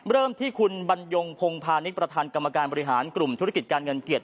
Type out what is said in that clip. เริ่มที่คุณบรรยงพงพาณิชย์ประธานกรรมการบริหารกลุ่มธุรกิจการเงินเกียรติ